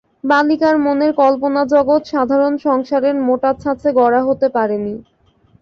বালিকার মনের কল্পজগৎ সাধারণ সংসারের মোটা ছাঁচে গড়া হতে পায় নি।